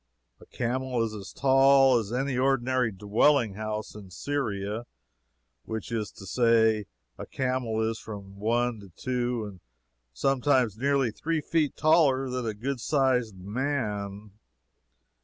A camel is as tall as any ordinary dwelling house in Syria which is to say a camel is from one to two, and sometimes nearly three feet taller than a good sized man.